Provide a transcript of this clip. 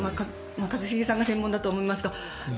一茂さんが専門だと思いますが。